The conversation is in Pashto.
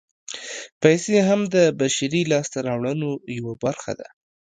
پیسې هم د بشري لاسته راوړنو یوه برخه ده